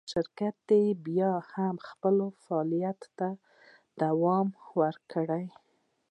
شرکت یې بیا هم خپل فعالیت ته دوام ورکړ.